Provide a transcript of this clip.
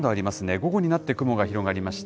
午後になって雲が広がりました。